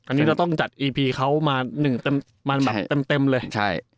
อันนี้เราต้องจัดอีพีเขามาเต็มเลย